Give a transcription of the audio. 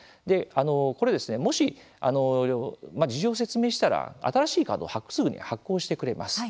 これ、もし事情を説明したら新しいカードをすぐに発行してくれます。